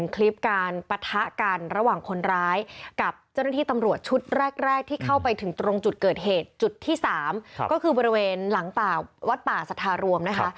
คลิปการปะทะกันระหว่างคนร้ายกับเจ้าหน้าที่ตำรวจชุดแรกที่เข้าไปถึงตรงจุดเกิดเหตุจุดที่๓ก็คือบริเวณหลังป่าวัดป่าสัทธารวมนะคะ